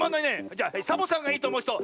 じゃサボさんがいいとおもうひと！